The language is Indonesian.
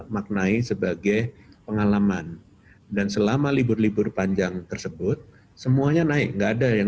maknai sebagai pengalaman dan selama libur libur panjang tersebut semuanya naik enggak ada yang